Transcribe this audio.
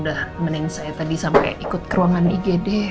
udah meneng saya tadi sampe ikut ke ruangan igd